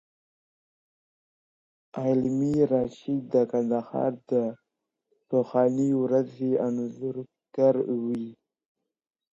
علامه رشاد د کندهار د پخوانیو ورځو انځورګر وو.